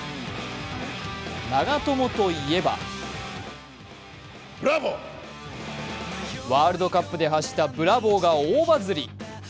長友といえばワールドカップで発した「ブラボー」が大バズり。